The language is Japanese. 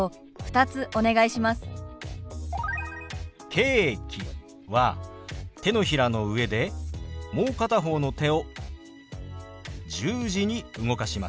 「ケーキ」は手のひらの上でもう片方の手を十字に動かします。